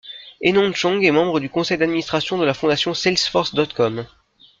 Enonchong est membre du conseil d'administration de la Fondation Salesforce.com.